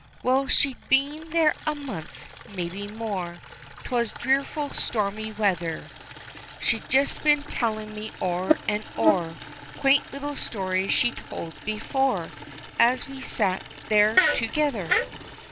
Well, she'd been there a month maybe more, 'Twas dreadful stormy weather, She'd just been telling me o'er and o'er Quaint little stories she'd told before As we sat there together.